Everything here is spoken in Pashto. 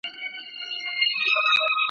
هغه دپلار و د نیکه کار نا مې